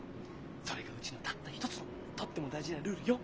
それがうちのたった一つのとっても大事なルールよ」。